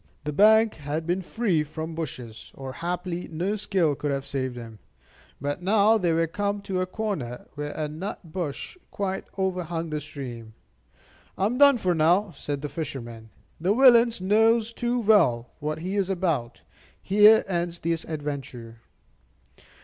The bank had been free from bushes, or haply no skill could have saved him; but now they were come to a corner where a nut bush quite overhung the stream. "I am done for now," said the fisherman; "the villain knows too well what he is about. Here ends this adventure."